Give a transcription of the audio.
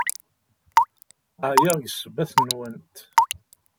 Ɛyiɣ seg ssebbat-nwent!